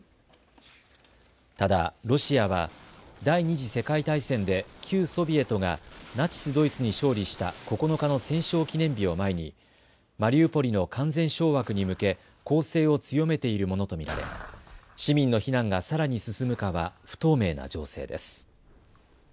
ただロシアは第２次世界大戦で旧ソビエトがナチス・ドイツに勝利した９日の戦勝記念日を前にマリウポリの完全掌握に向け攻勢を強めているものと見られ市民の避難がさらに進むかは不透明な情勢です。